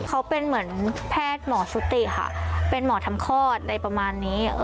เขาเป็นเหมือนแพทย์หมอชุติค่ะเป็นหมอทำคลอดอะไรประมาณนี้